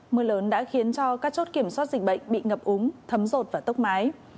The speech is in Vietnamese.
mưa lớn đã khiến cho các chốt kiểm soát dịch bệnh bị ngập úng thấm rột và tốc mái